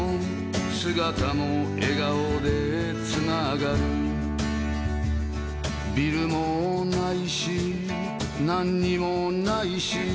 「姿も笑顔でつながる」「ビルもないしなんにもないし」